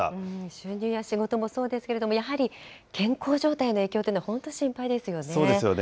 収入や仕事もそうですけれども、やはり健康状態の影響というそうですよね。